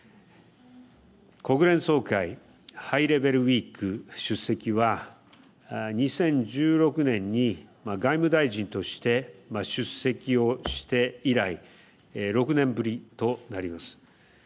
国連総会ハイレベル・ウィーク出席は２０１６年に外務大臣として出席をして以来、６年ぶりとなります。